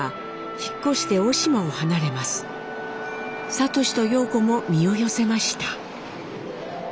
智と様子も身を寄せました。